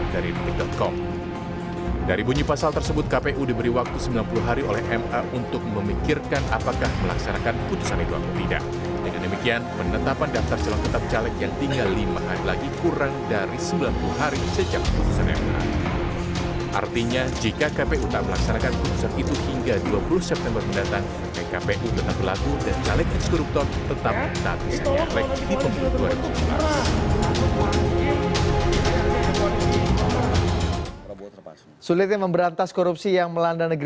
di bawah undang undang